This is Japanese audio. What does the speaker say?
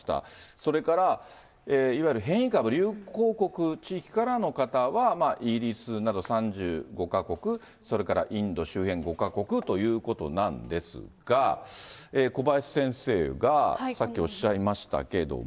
それから、いわゆる変異株流行国・地域からの方は、イギリスなど３５か国、それからインド周辺５か国ということなんですが、小林先生がさっきおっしゃいましたけども。